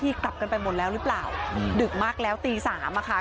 กลับกันไปหมดแล้วหรือเปล่าดึกมากแล้วตีสามอะค่ะ